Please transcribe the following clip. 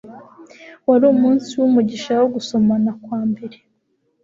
wari umunsi wumugisha wo gusomana kwambere